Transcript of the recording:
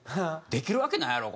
「できるわけないやろ！